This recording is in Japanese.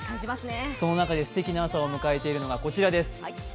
その中ですてきな朝を迎えているのが、こちらです。